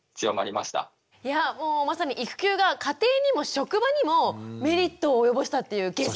いやもうまさに育休が家庭にも職場にもメリットを及ぼしたっていうケースですね。